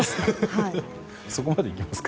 そこまでいきますか？